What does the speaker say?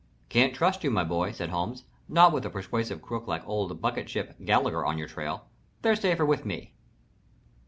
"Can't trust you, my boy," said Holmes. "Not with a persuasive crook like old Bucket ship Gallagher on your trail. They're safer with me."